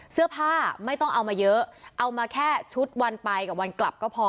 เสื้อผ้าไม่ต้องเอามาเยอะเอามาแค่ชุดวันไปกับวันกลับก็พอ